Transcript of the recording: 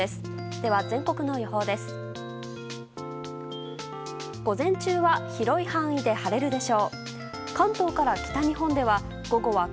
では全国の予報です。